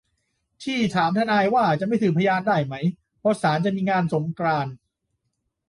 ที่ถามทนายว่าจะไม่สืบพยานได้ไหมเพราะศาลจะมีงานสงกรานต์